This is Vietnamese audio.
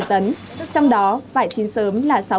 trong đó vải chín sớm là sáu mươi tấn